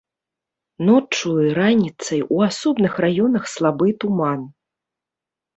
Ноччу і раніцай у асобных раёнах слабы туман.